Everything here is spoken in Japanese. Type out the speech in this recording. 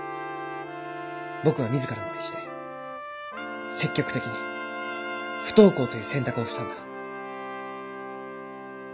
僕は自らの意思で積極的に不登校という選択をしたんだ。